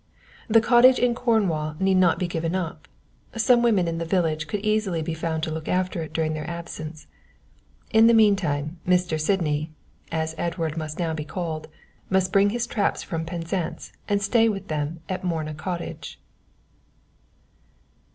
The cottage in Cornwall need not be given up; some woman in the village could easily be found to look after it during their absence. In the mean time, Mr. Sydney (as Edward must now be called) must bring his traps from Penzance and stay with them at Morna Cottage.